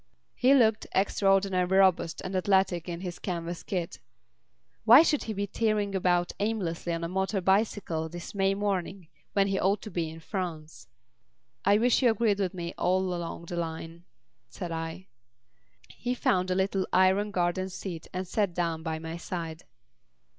He looked extraordinarily robust and athletic in his canvas kit. Why should he be tearing about aimlessly on a motor bicycle this May morning when he ought to be in France? "I wish you agreed with me all along the line," said I. He found a little iron garden seat and sat down by my side.